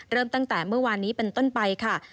เริ่มตั้งแต่เมื่อวานนี้เป็นต้นไปค่ะ